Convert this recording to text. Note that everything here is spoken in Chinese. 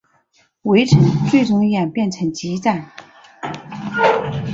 围城最终演变成激战。